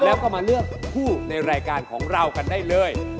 แล้วก็มาเลือกคู่ในรายการของเรากันได้เลย